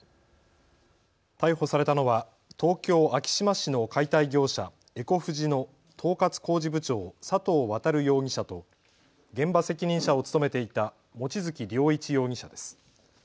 逮捕されたのは東京昭島市の解体業者、エコフジの統括工事部長、佐藤航容疑者と現場責任者を務めていた望月良一容疑者です。